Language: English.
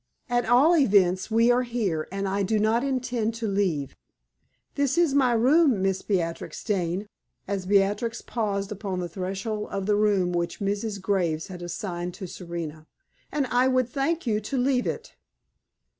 At all events, we are here, and I do not intend to leave. This is my room, Miss Beatrix Dane" as Beatrix paused upon the threshold of the room which Mrs. Graves had assigned to Serena "and I would thank you to leave it!"